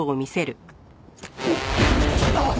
あっ。